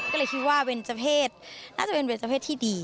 ก็เลยคิดว่าเบนเศรษฐ์น่าจะเป็นเบนเศรษฐ์ที่ดี